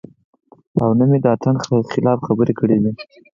او نۀ مې د اتڼ خلاف خبره کړې ده -